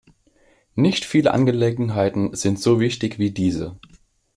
Nicht viele Angelegenheiten sind so wichtig wie diese.